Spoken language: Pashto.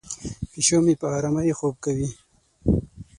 پیشو مې په آرامۍ خوب کوي.